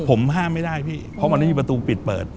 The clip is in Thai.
ผมห้ามไม่ได้พี่เพราะมันไม่มีประตูปิดเปิด